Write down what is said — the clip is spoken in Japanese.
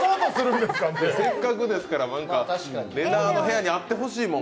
せっかくですから、れなぁの部屋にあってほしいもん。